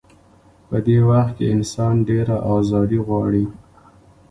په دې وخت کې انسان ډېره ازادي غواړي.